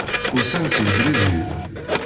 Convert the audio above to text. Usan-d seg Brizil.